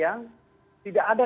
yang tidak ada